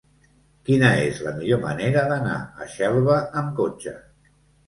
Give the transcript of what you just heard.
Quina és la millor manera d'anar a Xelva amb cotxe?